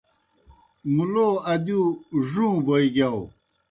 مُلو ادِیؤ ڙُوں بوئے گِیاؤ۔